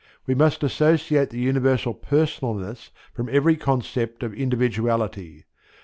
We must dissociate the Universal Personalness from every conception of individuality.